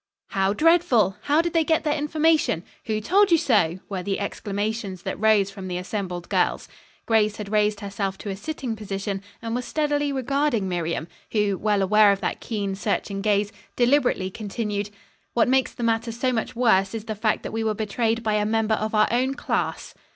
"How dreadful!" "How did they get their information?" "Who told you so?" were the exclamations that rose from the assembled girls. Grace had raised herself to a sitting position and was steadily regarding Miriam, who, well aware of that keen, searching gaze, deliberately continued: "What makes the matter so much worse is the fact that we were betrayed by a member of our own class."